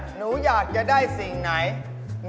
หนูอยากจะได้สิ่งไหน